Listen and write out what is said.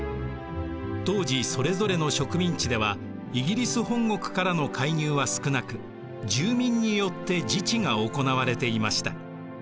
当時それぞれの植民地ではイギリス本国からの介入は少なく住民によって自治が行われていました。